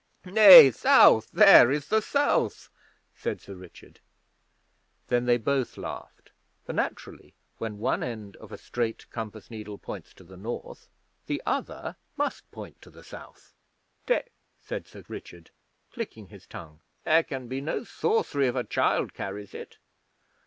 'Nay, South! There is the South,' said Sir Richard. Then they both laughed, for naturally when one end of a straight compass needle points to the North, the other must point to the South. 'Té,' said Sir Richard, clicking his tongue. 'There can be no sorcery if a child carries it.